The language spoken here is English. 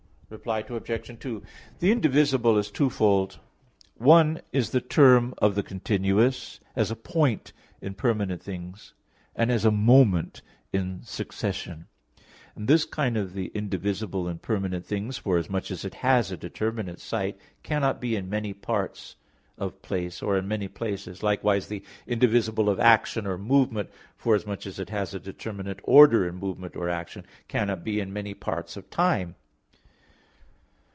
Reply Obj. 2: The indivisible is twofold. One is the term of the continuous; as a point in permanent things, and as a moment in succession; and this kind of the indivisible in permanent things, forasmuch as it has a determinate site, cannot be in many parts of place, or in many places; likewise the indivisible of action or movement, forasmuch as it has a determinate order in movement or action, cannot be in many parts of time.